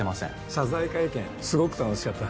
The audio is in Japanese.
謝罪会見、すごく楽しかった。